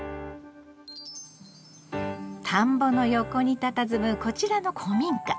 田んぼの横にたたずむこちらの古民家。